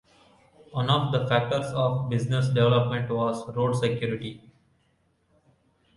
One of the factors of business development was road security.